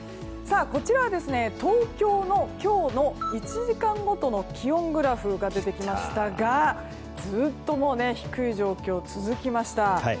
こちらは東京の今日の１時間ごとの気温グラフが出てきましたがずっと低い状況が続きました。